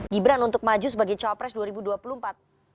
gibran untuk maju sebagai cawapres dua ribu dua puluh empat